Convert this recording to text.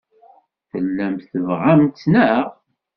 Tellamt tebɣamt-tt, naɣ?